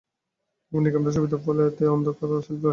ফোনটির ক্যামেরা সুবিধার ফলে এতে অন্ধকার সেলফি আসবে না।